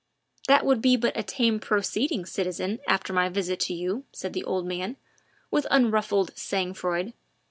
"That would be but a tame proceeding, citizen, after my visit to you," said the old man, with unruffled sang froid.